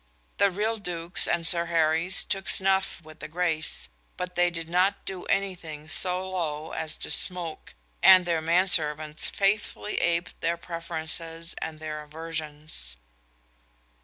The real Dukes and Sir Harrys took snuff with a grace, but they did not do anything so low as to smoke, and their menservants faithfully aped their preferences and their aversions.